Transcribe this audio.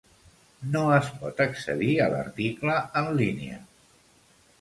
No es pot accedir a l'article en línia.